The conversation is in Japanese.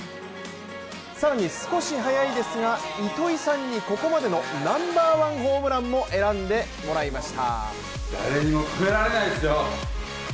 更に少し早いですが糸井さんにここまでのナンバーワンホームランも選んでもらいました。